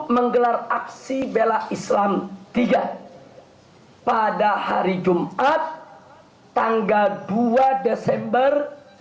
menggelar aksi bela islam ketiga pada jumat dua desember dua ribu enam belas